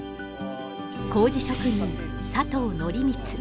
麹職人佐藤憲光。